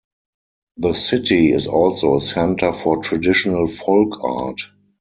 The city is also a centre for traditional folk art.